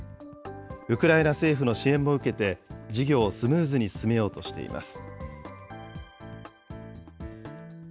ウクライナ政府の支援も受けて、事業をスムーズに進めようとしています。